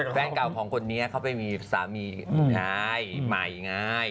แฟนเก่าของคนนี้เขาไปมีสามีใหม่ไง